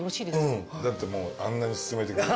うんだってもうあんなにすすめてくる。